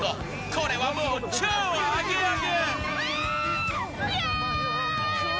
これはもう、超アゲアゲ！